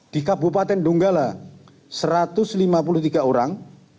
di kabupaten donggala satu ratus lima puluh tiga orang